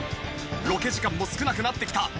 ロケ時間も少なくなってきた。